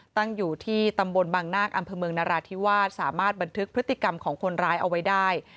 ตั้งอยู่ที่ตำบลบังนาคอำเภอเมืองนราธิวาสสามารถบันทึกพฤติกรรมของคนร้ายเอาไว้ได้